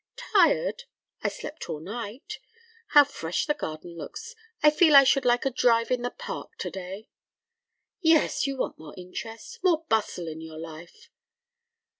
"Tired?—I slept all night. How fresh the garden looks! I feel I should like a drive in the park to day." "Yes; you want more interest—more bustle in your life."